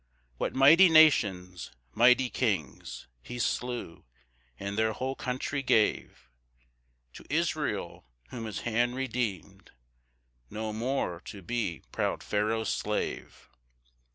4 What mighty nations, mighty kings, He slew, and their whole country gave To Israel, whom his hand redeem'd, No more to be proud Pharaoh's slave!